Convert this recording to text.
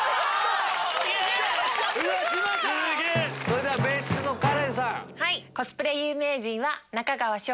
それでは別室のカレンさん。